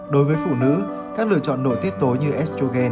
đối với phụ nữ các lựa chọn nổi tiết tố như estrogen